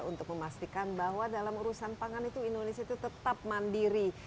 untuk memastikan bahwa dalam urusan pangan itu indonesia itu tetap mandiri